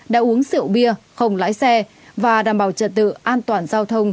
đã uống rượu bia không lái xe và đảm bảo trật tự an toàn giao thông